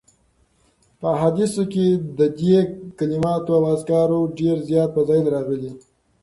په احاديثو کي د دي کلماتو او اذکارو ډير زیات فضائل راغلي